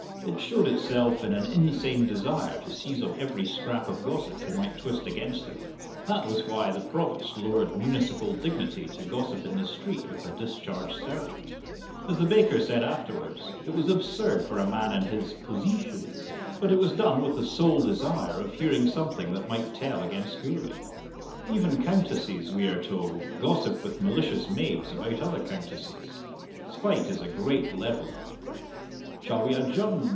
It showed itself in an insane desire to seize on every scrap of gossip they might twist against him. That was why the Provost lowered municipal dignity to gossip in the street with a discharged servant. As the baker said afterwards, it was absurd for a man in his "poseetion." But it was done with the sole desire of hearing something that might tell against Gourlay. Even countesses, we are told, gossip with malicious maids about other countesses. Spite is a great leveller. "Shall we adjourn?"